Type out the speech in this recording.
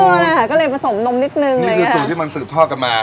นะคะก็เลยผสมนมนิดนึงมันคือสูตรที่มันสืบทอดกันมา